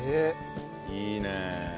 いいね。